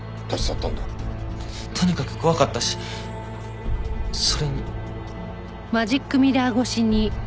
とにかく怖かったしそれに。